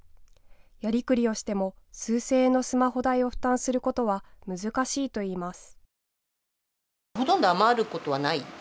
やりくりをしても数千円のスマホ代を負担することは難しいといいます。